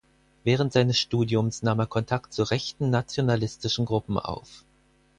Während seines Studiums nahm er Kontakt zu rechten, nationalistischen Gruppen auf.